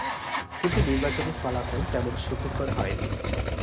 কিন্তু নির্বাচনী ফলাফল তেমন সুখকর হয়নি।